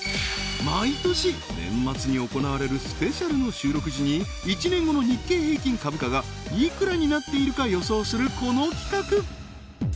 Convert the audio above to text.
毎年年末に行われるスペシャルの収録時に１年後の日経平均株価がいくらになっているか予想するこの企画